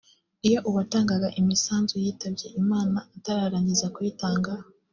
Iyo uwatangaga imisanzu yitabye Imana atararangiza kuyitanga